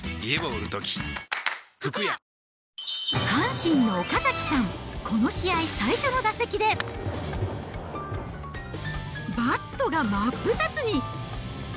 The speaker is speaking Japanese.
阪神の岡崎さん、この試合、最初の打席で、バットが真っ二つに。